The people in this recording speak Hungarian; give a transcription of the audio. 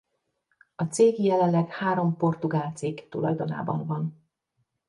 A cég jelenleg három portugál cég tulajdonában van.